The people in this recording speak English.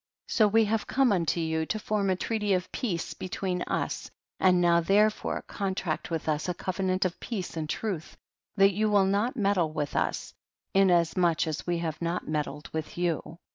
46. So we have come unto you to form a treaty of peace between us, and now therefore contract with us a covenant of peace and truth, that you will not meddle with us, inas much as we have not meddled with you.